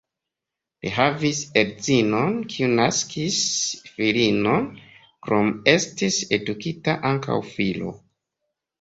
Li havis edzinon, kiu naskis filinon, krome estis edukita ankaŭ filo.